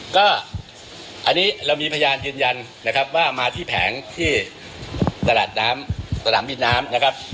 ก็อันนี้เรามีพยานยืนยันนะครับว่ามาที่แผงที่ตลาดน้ำสนามบินน้ำนะครับ